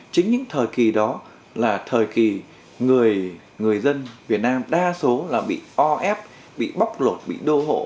chính những thời kỳ đó là thời kỳ người dân việt nam đa số là bị o ép bị bóc lột bị đô hộ